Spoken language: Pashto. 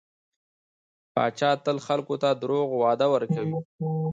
پاچا تل خلکو ته دروغ وعده ورکوي .